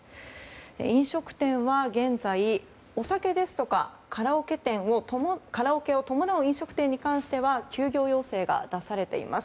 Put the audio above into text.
飲食店は現在、お酒ですとかカラオケを伴う飲食店に関しては休業要請が出されています。